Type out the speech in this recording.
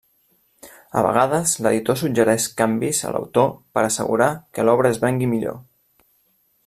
A vegades l'editor suggereix canvis a l'autor per assegurar que l'obra es vengui millor.